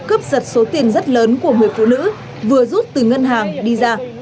cướp giật số tiền rất lớn của người phụ nữ vừa rút từ ngân hàng đi ra